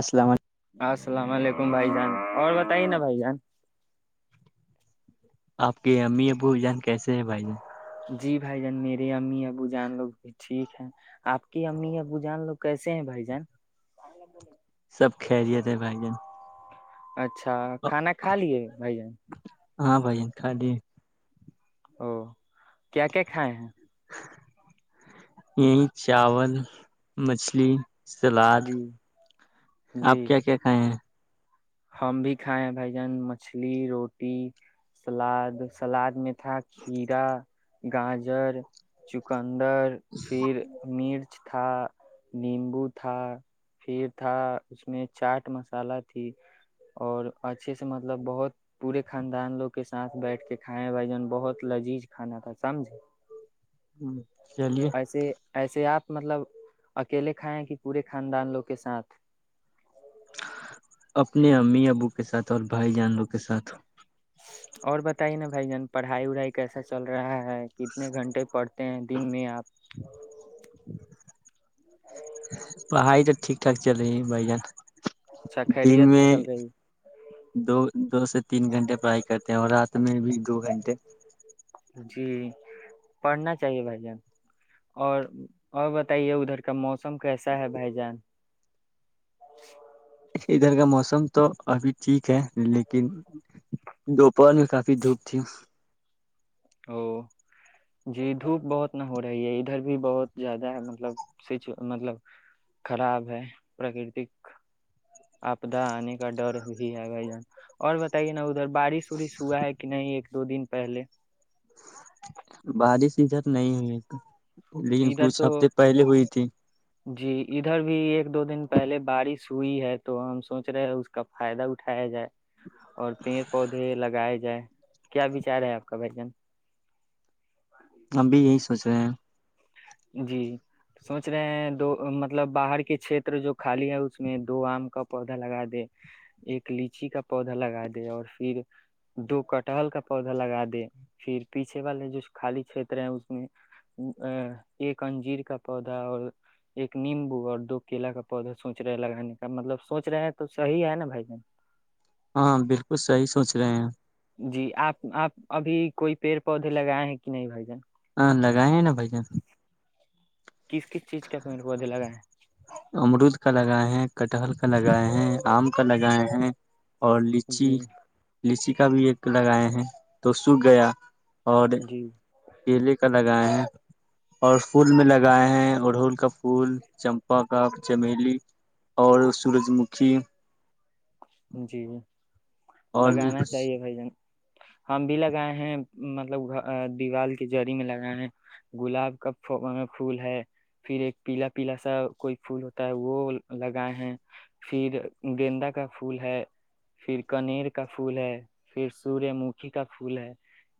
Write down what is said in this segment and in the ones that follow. السلام علیکم السلام علیکم بھائی جان اور بتائیے نا بھائی جان آپ کے امی ابو جان کیس ہیں بھائی جان جی بھائی جان میرے امی ابو جان لوگ بھی ٹھیک ہیں آپ کی امی ابو جان لوگ کیسے ہیں بھائی جان سب خیریت ہے بھائی جان اچھا کھانا کھا لیے بھائی جان ہاں بھائی ان کا دے او کیا کیا کھائے ہیں یہی چاول مچھلی سلاد جی آپ جی کیا کیا کھائے ہیں ہم بھی کھائے بھائی جان مچھلی روٹی سلاد سلاد میں تھا کھیرا گاجر چکن انڈر پھر مرچ تھا نیمبو تھا پھر تھا اس میں چاٹ مصالحہ تھی اور اچھے سے مطلب بہت برے خاندان لوگ کے ساتھ بیٹھ کے کھائیں بھائی جان بہت لذیز کھانا تھا سمجھ چلیے ایسے ایسے اپ مطلب اکیلے کھائیں کہ پورے خاندان لوگ کے ساتھ اپنے امی ابو کے ساتھ اور بھائی جانوں کے ساتھ ہو اور بتائیے نا بھائی جان پڑھائی اڑائی کیسا چل رہا ہے کتنے گھنٹے پڑھتے ہیں دن میں اپ ٹھیک ٹھاک چل رہی ہے بھائی جان اچھا دن خیریت سے میں چل رہی ہے؟ دو ایک گھنٹے بائے کرتے ہیں اور رات میں بھی دو گھنٹے جی بڑھنا چاہیے بھائی جان اور بتائیے ادھر کا موسم کیسا ہے بھائی جان ادھر کا موسم تو ابھی ٹھیک ہے لیکن جو کافی دھوپ تھی تو جی دھوپ بہت نہ ہو رہا ہے یہ ادھر بھی بہت زیادہ ہے مطلب سچ مطلب خراب ہے پورا کرتی عبدہ انے کا ڈر بھی ہے بھائی جان اور بتائیے دربار سوری س ہوا ہے کہ نہیں دو دن پہلے بالی سیزن نہیں ہے ادھر تو جی ادھر بھی ایک دو دن پہلے بارش سوئی ہے تو ہم سوچ رہے ہیں اس کا فائدہ اٹھایا جائے اور پیر پودے لگائے جائیں کیا بیچارہ ہے اپ کا بیٹا ہم بھی یہی سوچ رہے ہیں جی سوچ رہے ہیں دو مطلب باہر کے چھتر جو کھالی ہے اس میں دو عام کا پودا لگا دے ایک لیچی کا پودا لگا دیں اور پھر دو کٹا ہلکا پودا لگا دیا پھر پیچھے والے جو خالی پھیر رہے ہیں اس میں ایک انجیر کا پودا اور ایک نیم بو اردو کیلا کا پودا سوچ رہا ہے لگنے کا مطلب سوچ رہا ہے تو صحیح ہے نا بھائی ہاں بالکل صحیح سوچ رہے ہیں جی اپ اپ ابھی کوئی پیر پودے لگائیں کہ نہیں بھائی جان ہاں لگائے ہیں نا کس کس چیز کا پیڑ پودے لگائے امرود کا لگا ہے کٹر لگائے ہیں ام کا لگائے ہیں اور ہیں لچی جی لیچی کا بھی ایک لگائے ہیں تو سو گیا اور جی یہ لے کر لگایا ہے اور سکول میں لگائے ہیں گڈ ہول کا پھول چمپا کا چمیلی اور سورج مکھی جی اور بھی لگانا ہ چاہیے بھائی جان ہم بھی لگائے ہیں مطلب دیوال کے جیری میں لگانا ہے گلاب کا پھول ہے پھر ایک پیلا پیلا سا کوئی پھول ہوتا ہے وہ لگانا ہے پھر گیند کا پھول ہے پھر کنیر کا پھول ہے پھر سور مکھی کا پھول ہے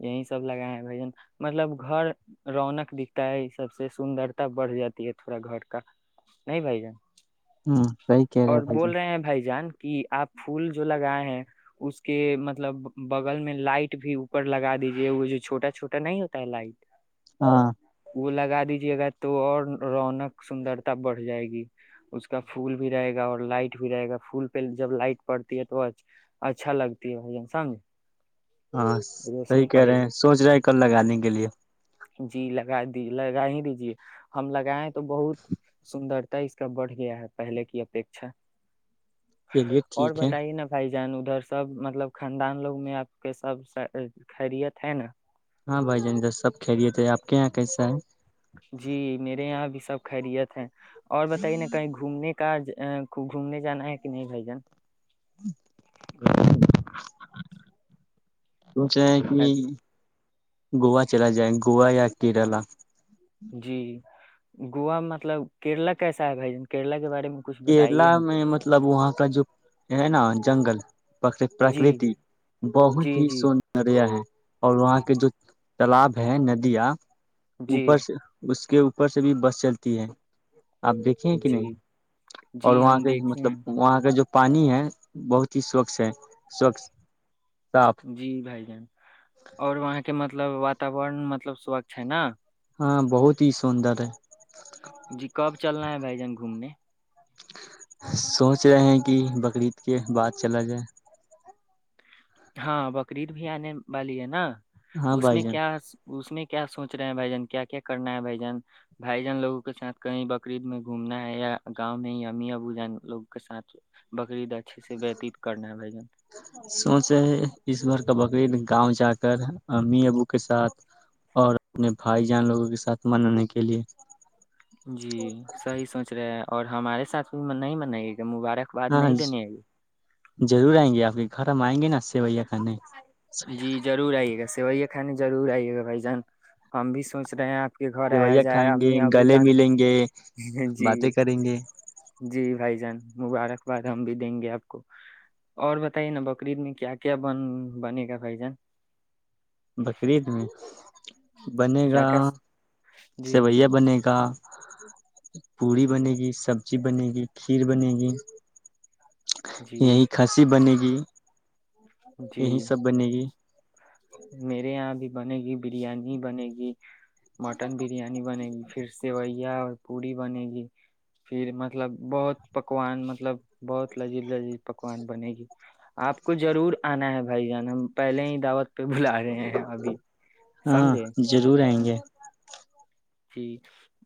یہی سب لگائے ہیں بھ جن مطلب گھر رونق دکھتا ہے یہ سب سے سندرتا بڑھ جاتی ہے تھوڑا گھر کا نہیں بھ جن ہوں سی کہہ رہے بھائی جن بھائی جان کہ آپ پھول جو لگائے ہیں اس کے مطلب بغل میں لائٹ بھی اوپر لگا دیجے وہ جو چھوٹا چھوٹا نہیں ہوتا ہے لائٹ ہاں وہ لگا دیجے گا تو اور رونق سندرتا بڑھ جائے گی اس کا پھول بھی رہے گا اور لائٹ بھی رہے گا پھول پ جب لائٹ پڑتی ہے تو اچھا لگتی ہے بھ جان سمج ہاں صحیح کہہ رہے ہیں سوچ رہے کل لگانے کے لیے جی لگا دی لگا ہی دیجیے ہم لگائےیں تو بہت سندر ت اس کا بڑھ گیا ہے پہلے کی اپیکھا چلیے اور ٹھیک ہے بتائیے نا بھائی جن ادھر سب مطلب خاندان لوگ میں آپ کے سب خیریت ہے نا ہاں بھائی جاندر سب کھیلے تھے آپ کے یہاں کیسا ہے جی میرے یہاں بھی سب خیریت ہیں اور بتائیے نا کہیں گھومنے کا گھومنے جانا ہے کہ نہیں بھ جان ا سوچا ہے کہ گووا چلا جائے گووا یا کیرلا جی گوا مطلب کیرلا کیسا ہے بھائی ج کیرلا کے بارے میں کچھ بتائیے کیرلا ہم کو میں مطلب وہاں کا جو ہے نا جنگل جی پرکرتی بہت جی ہی جی سندر ہے اور وہاں کے جو تالاب ہے ندیاں جی اوپر سے اس کے اوپر سے بھی بس چلتی ہے آپ دیکھے ہیں کہ نہیں جی اور جی وہاں ہم کے دیکھے مطلب ہیں وہاں کا جو پانی ہے بہت ہی سوچھ ہے سوچھ صاف جی بھائی جان اور وہاں کے مطلب واتاورن مطلب سبق ہے نا ہاں بہت ہی سندر ہے جی کب چلنا ہے بھائی جان گھومنے سوچ رہے ہیں کہ بقرعید کے بعد چلا جائے ہاں بکرید بھی آنے والی ہے نا ہاں اس بھائی میں جان کیا اس میں کیا سوچ رہے ہیں بھائی جان کیا کیا کرنا ہے بھ جان بھائی جان لوگوں کے ساتھ کہیں بقرعید میں گھومنا ہے یا گاؤں میں ہی ام ابوجن لوگ کے ساتھ بکرریید اچھے سے وتیت کرنا ہے بھ جن سوچ اس بھر کا بکریید گاؤں جا کے کر امی ابو کے ساتھ اور اپنے بھائی جان لوگوں کے ساتھ مننے کے لیے جی صحیح سوچ رہے ہیں اور ہمارے ساتھ نہیں منائے گی مبارکباد ہاں نہیں دینے ہے ضرور آئیں گےپ کے گھر ہم آئیں گے نا بھیا کانے وہی کھانے ضرور آئیے گا بھائی جان ہم بھی سوچ رہے ہیں آپ کے گھر آیا رویا جائے کھائیں گے امی ابو گلے جان ملیں گے جی باتیں کریں گے جی بھائی جان مبارک باد ہم بھی دیں گے آپ کو اور بتائیے نا بکرریید میں کیا کیا بن بنے گا بھائی جان بقرید میں بنے کیا گا کیا جی سیویا بنے گا پوڑی بنے گی سبزی بنے گی کھیر بنے گی جی یہی کھسی بنے گی جی جی یہی سب بنے گی میرے یہاں بھی بنے گی بریانی بنے گی مٹن بریانی بنے گی پھر سے بائی یا اور پوڑی بنے گی پھر مطلب بہت پکوان مطلب بہت لذیذ لذیذ پکوان بنے گی آپ کو ضرور آنا ہے بھائی جان ہم پہلے ہی دعوت پہ بلا رہے ہیں ابھی ہاں سمجھے ضرور آئیں گے جی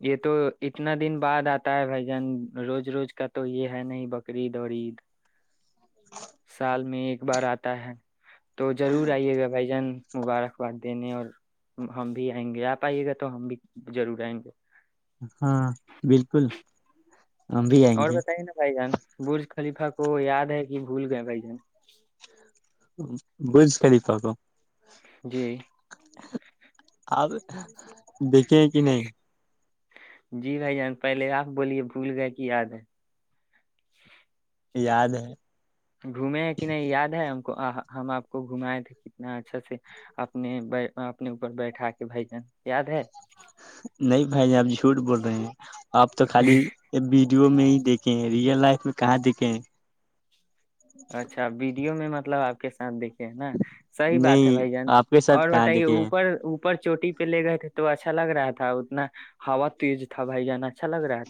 یہ تو اتنا دن بعد آتا ہے بھائی جان روز روز کا تو یہ ہے نہیں بکرعید اور عید سال میں ایک ایک بار آتا ہے تو ضرور آئیے گا بھائی جان مبارکباد دینے اور ہم بھی آئیں گے آپ آئیے گا تو ہم بھی ضرور ہےیں گے [inaudible] [unintelligible] ہاں بالکل ہم بھی آئیں اور گے بتائیے نا بھائی جان بج خلیفہ کو یاد ہے کہ بھول گئے بھائی جن بج کر د پا کو جی آپ دیکھے کہ نہیں [unintelligible] جی بھائی جان پہلے آپ بولیے بھول گئے کہ یاد ہے یاد ہے گھومے ہیں کہ نہیں یاد ہے ہم کو ہم آپ کو گھمائے تھے کتنا اچھا سے اپنے اپنے اوپر بیٹھا کے بھجن یاد ہے نہیں بھائی ج آپ جھوٹ بول رہے ہیں آپ تو خالی ویڈیو میں ہی دیکھے ہیں ریئل لائف میں کہاں دیکھے اچھا بی مطلب آ کے سات دیکھ نا صحی بات ہے نہیں بھائی جان آپ کے ساتھ اور کہاں بتائیے دیکھے ہیں اوپر اوپر چوٹی پہ لے گئے تھے تو اچھا لگ رہا تھا اتنا ہا تیز تھا بھائی جان اچھا لگ رہا تھا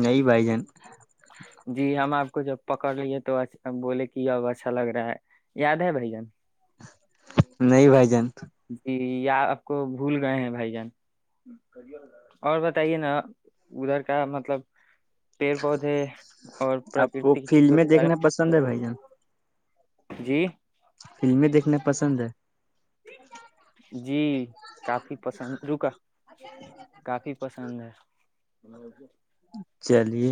نہیں بھائی جان تھا جی ہم آپ کو جب پکڑ لیے تو بولے کہ اب اچھا لگ رہا ہے یاد ہے بھ جین نہیں بھائی جان جی یا آپ کو بھول گئے ہیں بھائی جان اور بتائیے نا ادھر کا مطلب پیر پودے اور آپ کو پرکرتی کی چیزوں فلمیں کے بارے دیکھنا پسند ہے میں بھائی جان جی فلمیں دیکھنا پسند ہے جی کافی پسند رکا کافی پسند ہے [unintelligible] چلیے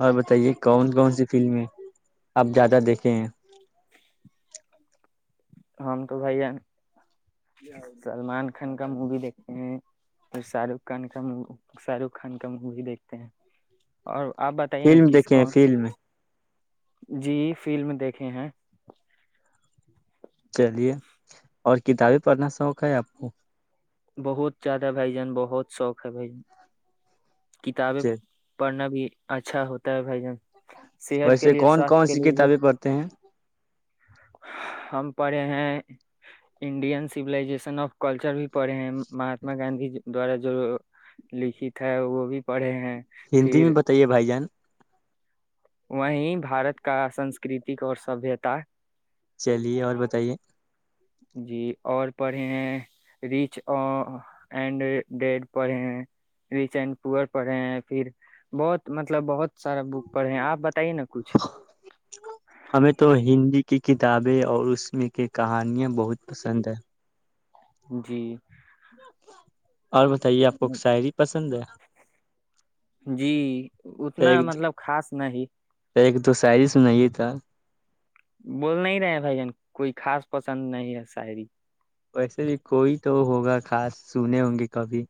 اور بتائیے کون کون سی فلم ہے آپ زیادہ دیکھے ہیں ہم تو بھیا سلمان خان کا مووی دیکھتے ہیں پھر شاہ رخ خان کا شاہ رخ خان کا مووی دیکھتے ہیں اور آپ بتائیے نا فلم کس دیکھے ہیں کون کو فلم جی فلملم دیکھے ہیں چلیے اور کتابیں پڑھنا شوق ہے آپ کو بہت زیادہ بھائی جان بہت شوق ہے بھائی جن کتابیں پڑھنا بھی اچھا ہوتا ہے بھائی جان صحت کے ویسے لیے کون سواستھ کون کے سی لیے بھی کتابیں پڑھتے ہیں ہم پڑھے ہیں انڈین سیولزیشن آف کلچر بھی پڑے ہیں مہاتما گاندھی دوارا جو لکھت ہے وہ بھی پڑھے ہیں ہندی میں پھر بتائیے بھائی جان وہیں بھارت کا سسکرتک اور سبھیتا چلیے اور بتائیے جی اور پڑھے ہیں ریچ اینڈ ڈیڈ پڑھے ہیں ریچ اینڈ پور پڑھے ہیں پھر بہت مطلب بہت سارا بک پڑھے ہیں آپ ب ہمیں تو ہندی کی کتابیں اور اس میں کی کہانیاں بہت پسند ہیں جی اور بتائیے آپ کو شاعری پسند ہے جی تو اتنا ایک مطلب خاص نہیں ایک دو شاعری سنائیے تھا بول نہیں رہے بھائی جان کوئی خاص پسند نہیں ہے شاعری ویسے بھی کوئی تو ہوگا خاص سنے ہوں گے کبھی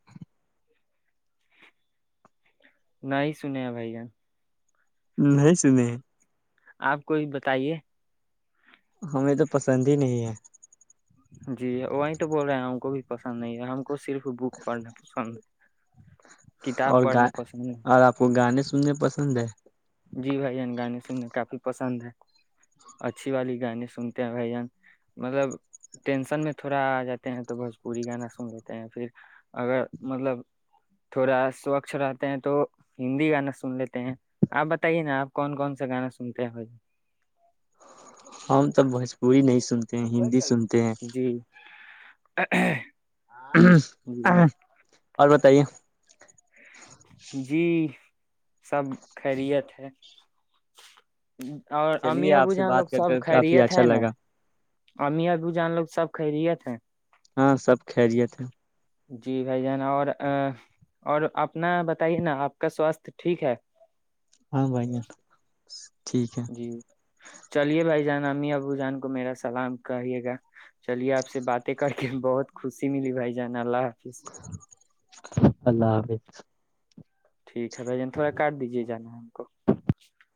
نہیں سنیا بھیا ہ ہےس نہیں آپ کوئی بتائیے ہمیں تو پسند ہی نہیں ہے جی وہی تو بول رہے ہیں ہم کو بھی پسند نہیں ہے ہم کو صرف بک پڑھنا پسند ہے کتاب اور پڑھنا گ پسند اور آپ کو گانے ہے سننے پسند ہے جی بھائی جان گانے سننے کافی پسند ہے اچھی والی گانے سنتے ہیں بھائی جان مطلب ٹینسن میں تھوڑا آ جاتے ہیں تو بھوجپوری گانا سن لیتے ہیں پھر اگر مطلب تھوڑا سوچھ رہتے ہیں تو ہندی گانا سن لیتے ہیں آپ بتائیے نا آپ کون کون سا گانا سنتے ہیں بھائی ہم تو بوجپوری نہیں سنتے ہیں ہندی سنتے ہیں ا [unintelligible] اور ب [unintelligible] کہاہے جی سب خیریت ہے اور ام چلیے ا بو آپ سے جان لوگ بات کر سب کر کافی خرییت اچھا ہے نا لگا ام ابو جان لوگ سب خیریت ہیں ہاں سب خیریت ہے جی بھائی جان اور اور اپنا بتائیے نا آپ کا سواستھ ٹھیک ہے ج جی چلیے بھائی جانامی اب ابو جان کو میرا سلام کہیے گا چلیے آپ سے باتیں کر کے بہت خوشی ملی بھائی جان اللہ حافظ اللہ حافظ ٹھیک ہے بھائی جان تھوڑا کر دیجیے جانا ہے کو [inaudible]